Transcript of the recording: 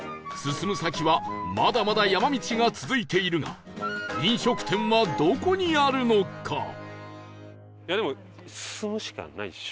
進む先はまだまだ山道が続いているが飲食店はどこにあるのか？